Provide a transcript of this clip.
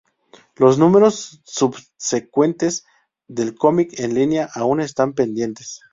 Los números subsecuentes del comic en línea aún están pendientes.